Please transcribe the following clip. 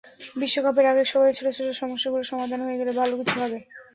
বিশ্বকাপের আগের সময়ে ছোট ছোট সমস্যাগুলো সমাধান হয়ে গেলে ভালো কিছু হবে।